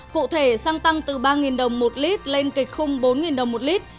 cụ thể xăng tăng từ ba đồng một lít lên kịch khung bốn đồng một lít